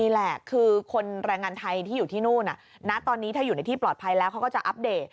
แหละคือคนแรงงานไทยที่อยู่ที่นู่นณตอนนี้ถ้าอยู่ในที่ปลอดภัยแล้วเขาก็จะอัปเดต